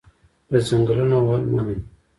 د ځنګلونو وهل منع دي